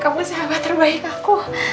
kamu siapa terbaik aku